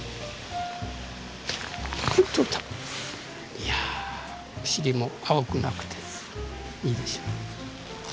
いやお尻も青くなくていいでしょう。